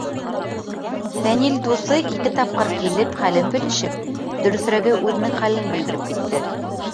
Фәнил дуҫы ике тапҡыр килеп хәлен белешеп, дөрөҫөрәге, үҙенең хәлен белдереп китте.